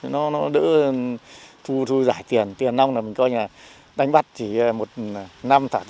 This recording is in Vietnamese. nó đỡ thu giải tiền tiền nông là mình coi là đánh bắt chỉ một năm